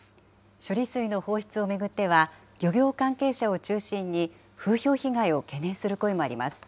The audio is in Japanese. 処理水の放出を巡っては、漁業関係者を中心に風評被害を懸念する声もあります。